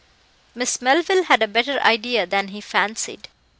Miss Melville had a better idea than he fancied.